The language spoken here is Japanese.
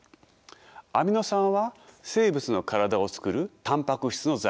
アミノ酸は生物の体を作るタンパク質の材料です。